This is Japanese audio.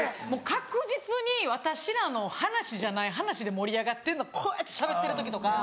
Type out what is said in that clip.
確実に私らの話じゃない話で盛り上がってるのこうやってしゃべってる時とか。